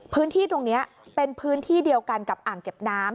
พื้นที่ตรงนี้เป็นพื้นที่เดียวกันกับอ่างเก็บน้ำ